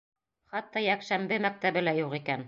Хатта йәкшәмбе мәктәбе лә юҡ икән.